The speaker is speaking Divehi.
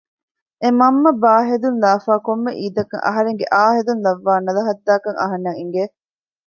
އެ މަންމަ ބާ ހެދުން ލާފައި ކޮންމެ އީދަކަށް އަހަރެންގެ އައު ހެދުން ލައްވާ ނަލަހައްދާކަން އަހަންނަށް އިނގެ